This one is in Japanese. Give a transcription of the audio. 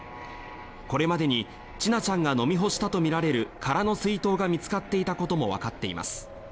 これまでに千奈ちゃんが飲み干したとみられる空の水筒が見つかっていたこともわかっています。